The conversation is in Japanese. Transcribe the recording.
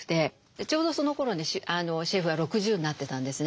ちょうどそのころシェフは６０になってたんですね。